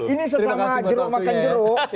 ini sesama jeruk makan jeruk